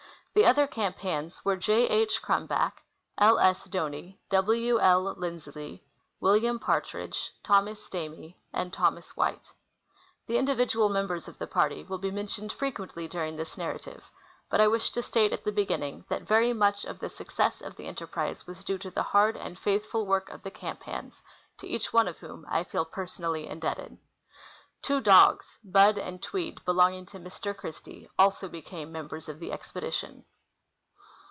The other camp hands were J. H. Crumback, L. S. Doney, AV. Jj. Linclsley, William Partridge, Thomas Stamy, and Thomas White. The individual members of the party will be mentioned fre quently during this narrative ; but I wish to state at the begin ning that very much of the success of the enterprise was due to the hard and faithful work of the camp hands, to each one of Avhom I feel personally indebted. Tavo dogs, " Bud " and " Tweed," belonging to Mr. Christie, also became members of the expedition.